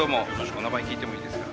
お名前聞いてもいいですか？